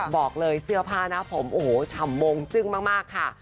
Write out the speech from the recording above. บอกเลยเสื้อผ้าหน้าผมโอ้โหฉ่ำมงจึ้งมากค่ะ